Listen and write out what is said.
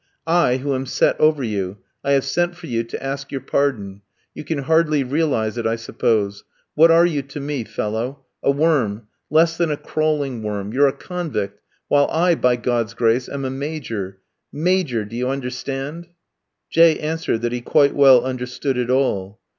I, who am set over you, I have sent for you to ask your pardon. You can hardly realise it, I suppose. What are you to me, fellow? A worm, less than a crawling worm; you're a convict, while I, by God's grace, am a Major; Major , do you understand?" J ski answered that he quite well understood it all.